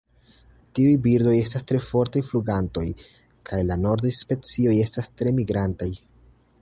Tiuj birdoj estas tre fortaj flugantoj kaj la nordaj specioj estas tre migrantaj.